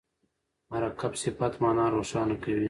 مرکب صفت مانا روښانه کوي.